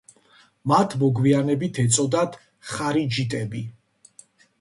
მათ მოგვიანებით ეწოდათ ხარიჯიტები.